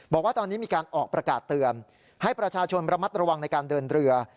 บอกว่าตอนนี้มีการออกประกาศเตือนให้ประชาชนระมัดระวังในการเดินเรือ